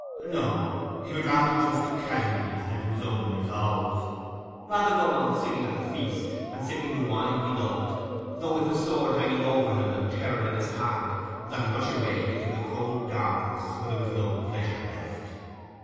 No! he would rather trust to casualties than to his own resolve—rather go on sitting at the feast, and sipping the wine he loved, though with the sword hanging over him and terror in his heart, than rush away into the cold darkness where there was no pleasure left.